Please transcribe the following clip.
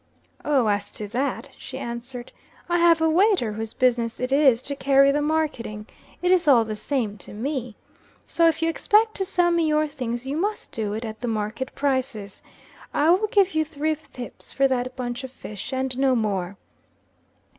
'Oh, as to that,' she answered, 'I have a waiter whose business it is to carry the marketing. It is all the same to me. So, if you expect to sell me your things, you must do it at the market prices. I will give you three fips for that bunch of fish, and no more.'